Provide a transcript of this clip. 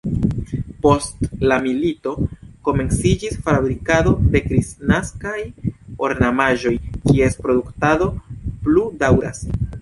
Post la milito komenciĝis fabrikado de kristnaskaj ornamaĵoj, kies produktado plu daŭras.